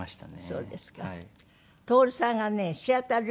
そうですか。